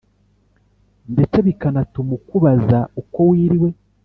ndetse bikanatuma ukubaza uko wiriwe